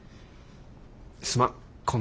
すまん。